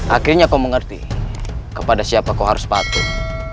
akhirnya kau mengerti kepada siapa kau harus patuh